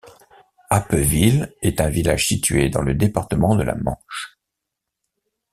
Appeville est un village situé dans le département de la Manche.